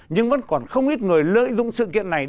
nhưng vẫn còn không ít người lợi dụng sự kiện này